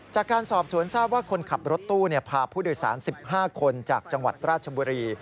จากการสอบสวนทราบว่าคนขับรถตู้พาผู้โดยสาร๑๕คนจากจังหวัดราชบุรี